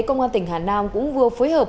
công an tỉnh hà nam cũng vừa phối hợp